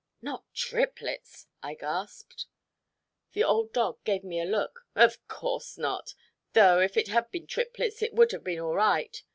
"Not triplets," I gasped. The old dog gave me a look. "Of course not, though if it had been triplets, it would have been all right.